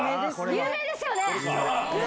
有名ですよね！